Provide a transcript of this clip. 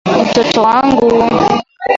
Mtoto wangu.